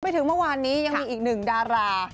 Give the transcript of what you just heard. ถึงเมื่อวานนี้ยังมีอีกหนึ่งดารา